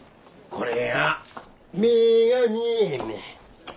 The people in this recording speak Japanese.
これがな目ぇが見えへんねん。